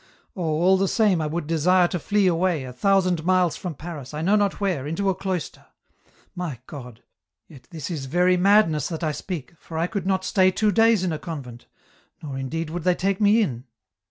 *' Oh, all the same I would desire to flee away, a thousand miles from Paris, I know not where, into a cloister. My God ! yet this is very madness that I speak, for I could not stay two days in a convent ; nor indeed would they take me in."